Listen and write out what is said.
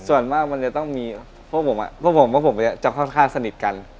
ส่วนมากมันจะต้องมีเพราะผมอะเพราะผมจะค่อนข้างสนิทกัน